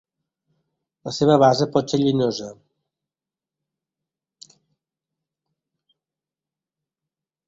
La seva base pot ser llenyosa.